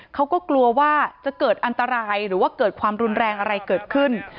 เขาก็กลัวว่าจะเกิดอันตรายหรือว่าเกิดความรุนแรงอะไรเกิดขึ้น